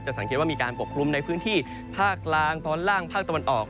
สังเกตว่ามีการปกคลุมในพื้นที่ภาคกลางตอนล่างภาคตะวันออก